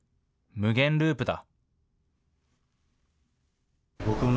無限ループだ。